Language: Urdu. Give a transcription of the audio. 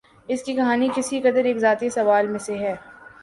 اس کی کہانی کسی قدر ایک ذاتی زوال میں سے ہے